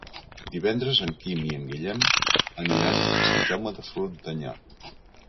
Divendres en Quim i en Guillem aniran a Sant Jaume de Frontanyà.